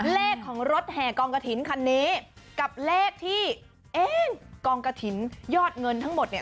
เลขของรถแห่กองกระถิ่นคันนี้กับเลขที่เอ๊ะกองกระถินยอดเงินทั้งหมดเนี่ย